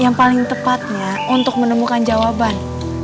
yang paling tepatnya untuk menemukan jawaban